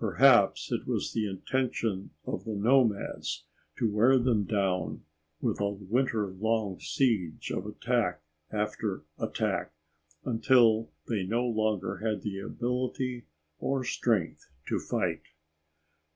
Perhaps it was the intention of the nomads to wear them down with a winter long siege of attack after attack, until they no longer had the ability or strength to fight.